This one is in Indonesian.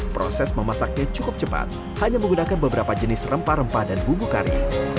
proses memasaknya cukup cepat hanya menggunakan beberapa jenis rempah rempah dan bumbu kari